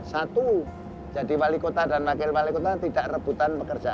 satu jadi wali kota dan wakil wali kota tidak rebutan pekerjaan